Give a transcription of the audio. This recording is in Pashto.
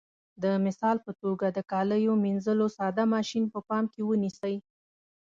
د مثال په توګه د کالیو منځلو ساده ماشین په پام کې ونیسئ.